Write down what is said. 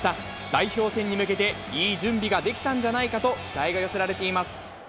代表選に向けて、いい準備ができたんじゃないかと期待が寄せられています。